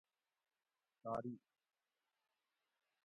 تاریخ